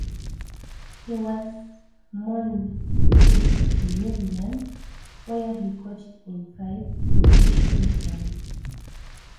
He was mourned, too, in New Zealand, where he coached in five English winters.